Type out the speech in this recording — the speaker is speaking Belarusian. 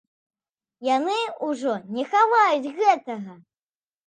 Яны ўжо не хаваюць гэтага!